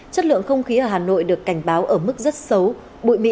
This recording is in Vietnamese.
chất lượng không khí ở hà nội được cảnh báo ở mức rất xấu